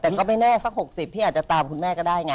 แต่ก็ไม่แน่สัก๖๐พี่อาจจะตามคุณแม่ก็ได้ไง